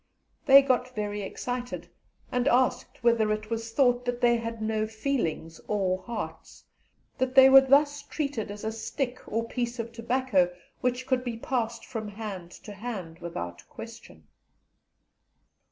They got very excited, and asked whether it was thought that they had no feelings or hearts, that they were thus treated as a stick or piece of tobacco, which could be passed from hand to hand without question.